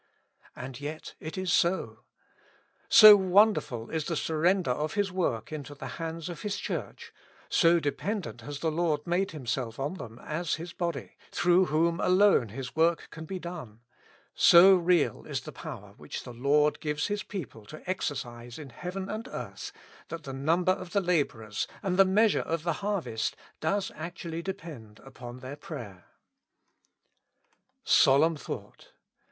And yet it is so. So wonderful is 73 With Christ in the School of Prayer. the surrender of His work into the hands of His Church, so dependent has the Lord made Himself on them as His body, through whom alone His work can be done, so real is the power which the Lord gives His people to exercise in heaven and earth, that the number of the laborers and the measure of the harvest does actually depend upon their prayer. Solemn thought